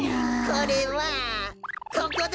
これはここだ！